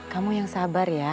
kamu yang sabar ya